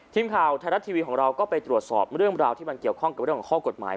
ทีมข่าวไทยรัฐทีวีของเราก็ไปตรวจสอบเรื่องราวที่มันเกี่ยวข้องกับเรื่องของข้อกฎหมาย